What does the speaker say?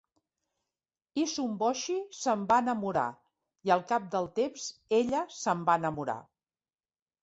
Issun-boshi se'n va enamorar i al cap del temps ella se'n va enamorar.